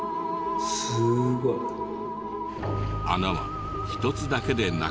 すごい。穴は１つだけでなく。